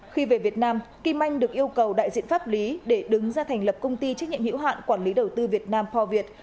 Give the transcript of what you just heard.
khi về việt nam kim anh được yêu cầu đại diện pháp lý để đứng ra thành lập công ty trách nhiệm hiệu hạn quản lý đầu tư việt nam khoa việt